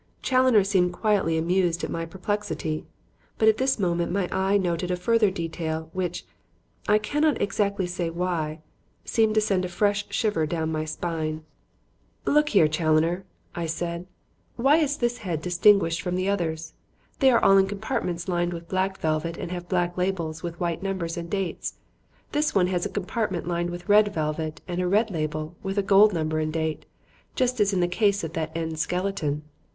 Challoner seemed quietly amused at my perplexity, but at this moment my eye noted a further detail which I cannot exactly say why seemed to send a fresh shiver down my spine. "Look here, Challoner," I said. "Why is this head distinguished from the others? They are all in compartments lined with black velvet and have black labels with white numbers and dates; this one has a compartment lined with red velvet and a red label with a gold number and date, just as in the case of that end skeleton."